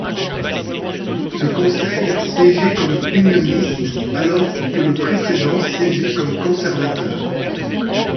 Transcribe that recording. Ce conseil siégeait comme Unioniste alors que le précédent siégeait comme Conservateur.